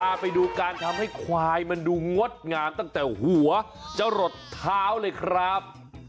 ไปดูการทำให้ควายมันดูงดงามตั้งแต่หัวจะหลดเท้าเลยครับ